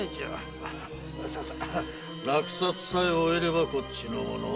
落札さえ終えればこっちのもの。